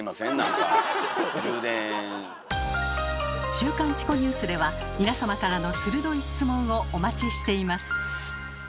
「週刊チコニュース」では皆様からの鋭い質問をお待ちしています。